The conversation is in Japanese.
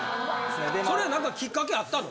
それ何かきっかけあったの？